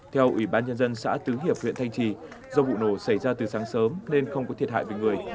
theo ủy ban nhân dân xã tứ hiệp huyện thanh trì do vụ nổ xảy ra từ sáng sớm nên không có thiệt hại về người